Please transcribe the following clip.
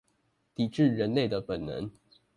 抵制人類的本能